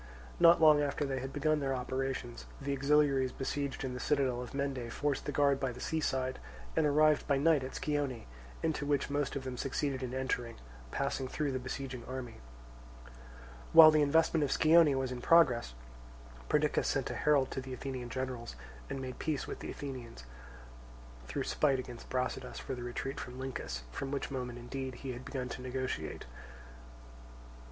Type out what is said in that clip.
Not long after they had begun their operations, the auxiliaries besieged in the citadel of Mende forced the guard by the sea side and arrived by night at Scione, into which most of them succeeded in entering, passing through the besieging army. While the investment of Scione was in progress, Perdiccas sent a herald to the Athenian generals and made peace with the Athenians, through spite against Brasidas for the retreat from Lyncus, from which moment indeed he had begun to negotiate.